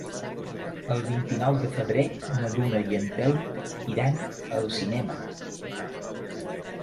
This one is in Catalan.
El vint-i-nou de febrer na Duna i en Telm iran al cinema.